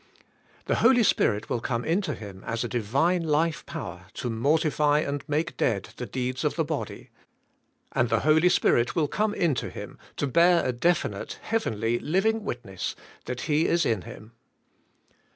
The Holy Spirit will come into him as a Divine life power to mortify and make dead the deeds of the body, and the Holy Spirit will come into him to bear a definite, heavenly, living witness that He is in him.